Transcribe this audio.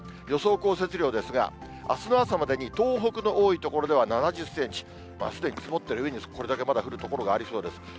予想降雪量ですが、あすの朝までに東北の多い所では７０センチ、すでに積もっている上に、これだけまだ降る所がありそうです。